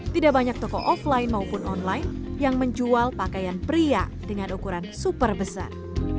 tidak banyak toko offline maupun online yang menjual pakaian pria dengan ukuran super besar